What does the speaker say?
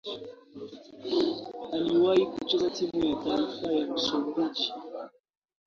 Aliwahi kucheza timu ya taifa ya Msumbiji.